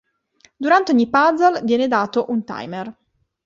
Durante ogni puzzle, viene dato un timer.